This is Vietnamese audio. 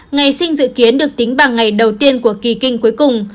ngày sinh dự kiến được tính bằng ngày đầu tiên của kỳ kinh cuối cùng